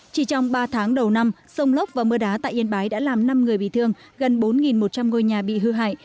chỉ trong ba tháng đầu năm sông lốc và mưa đá tại yên bái đã làm năm người bị thương gần bốn một trăm linh ngôi nhà bị hư hại